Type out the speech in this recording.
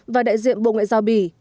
và đại diện bộ ngoại giao bỉ